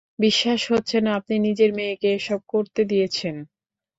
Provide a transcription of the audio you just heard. বিশ্বাস হচ্ছে না, আপনি নিজের মেয়েকে এসব করতে দিয়েছেন!